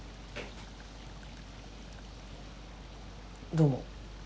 どうも。